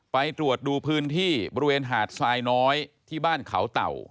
ไปตรวจดูพื้นที่บริเวณหาดทรายน้อยที่บ้านเขาเต่า